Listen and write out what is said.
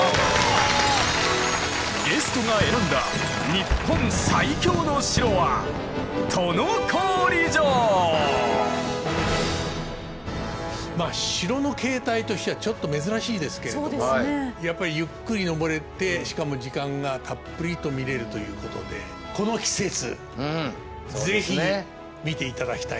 ゲストが選んだまあ城の形態としてはちょっと珍しいですけれどもやっぱりゆっくり登れてしかも時間がたっぷりと見れるということでこの季節是非見て頂きたい。